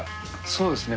そうですね。